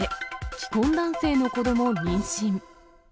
既婚男性の子ども妊娠。